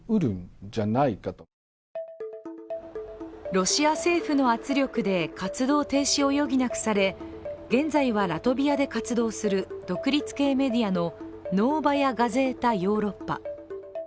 ロシア政府の圧力で活動停止を余儀なくされ現在はラトビアで活動する独立系メディアのノーバヤ・ガゼータ・ヨーロッパ。